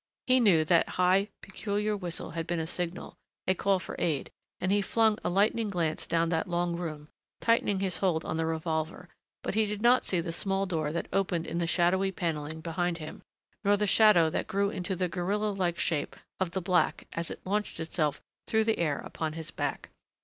He knew that high, peculiar whistle had been a signal, a call for aid, and he flung a lightning glance down that long room, tightening his hold on the revolver but he did not see the small door that opened in the shadowy paneling behind him, nor the shadow that grew into the gorilla like shape of the black as it launched itself through the air upon his back.